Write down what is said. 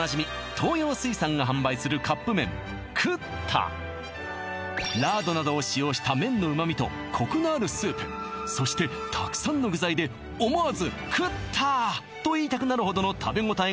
東洋水産が販売するカップ麺ＱＴＴＡラードなどを使用した麺の旨みとコクのあるスープそしてたくさんの具材で思わず食った！と言いたくなるほどの食べ応えが特徴